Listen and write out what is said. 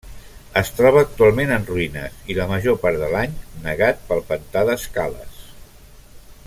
Es troba actualment en ruïnes i la major part de l'any negat pel pantà d'Escales.